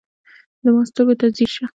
د ما سترګو ته ځیر شه